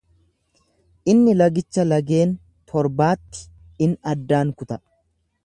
Inni lagicha laggeen torbaatti in addaan kuta.